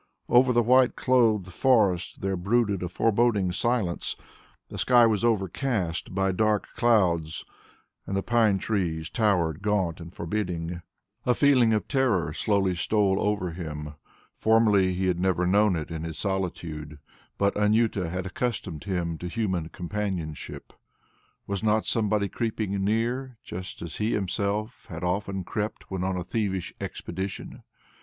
Over the white clothed forest there brooded a foreboding silence; the sky was overcast by dark clouds and the pine trees towered gaunt and forbidding. A feeling of terror slowly stole over him. Formerly he had never known it in his solitude, but Anjuta had accustomed him to human companionship. Was not somebody creeping near, just as he himself had often crept when on a thievish expedition?